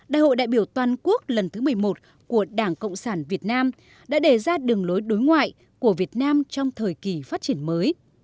đại hội đại biểu toàn quốc lần thứ một mươi một của đảng cộng sản việt nam đã đề ra đường lối đối ngoại của việt nam trong thời kỳ phát triển mới